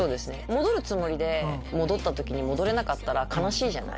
戻るつもりで戻った時に戻れなかったら悲しいじゃない。